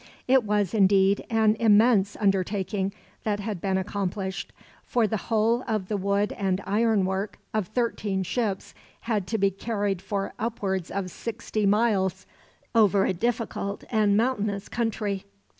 It was, indeed, an immense undertaking that had been accomplished; for the whole of the wood and iron work, of thirteen ships, had to be carried for upwards of sixty miles, over a difficult and mountainous country.